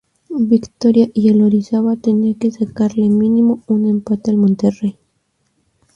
Victoria y el Orizaba tenía que sacarle mínimo un empate al Monterrey.